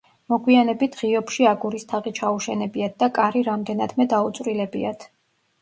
მოგვიანებით ღიობში აგურის თაღი ჩაუშენებიათ და კარი რამდენადმე დაუწვრილებიათ.